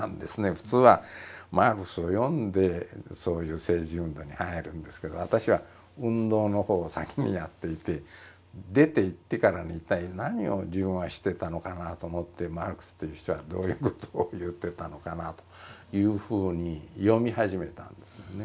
普通はマルクスを読んでそういう政治運動に入るんですけど私は運動のほうを先にやっていて出ていってからね一体何を自分はしてたのかなと思ってマルクスという人はどういうことを言ってたのかなというふうに読み始めたんですよね。